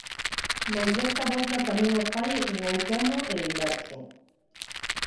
Mais desta volta tamén o fai en outono e inverso.